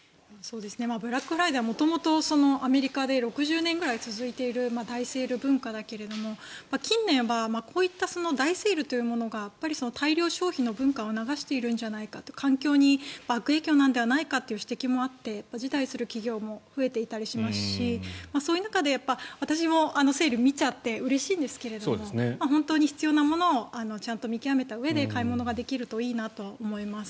ブラックフライデーは元々アメリカで６０年ぐらい続いている大セール文化だけれども近年はこういった大セールというのが大量消費の文化を促しているんじゃないかとか環境に悪影響なんじゃないかという指摘もあって、辞退する企業も増えていたりしますしそういう中で私もセールを見ちゃってうれしいんですが本当に必要なものをちゃんと見極めたうえで買い物ができるといいなと思います。